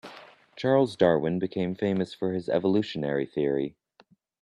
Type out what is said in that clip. Charles Darwin became famous for his evolutionary theory.